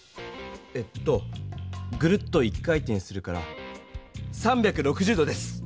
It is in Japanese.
えっとグルッと一回転するから３６０度です。